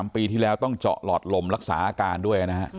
ปีที่แล้วต้องเจาะหลอดลมรักษาอาการด้วยนะฮะ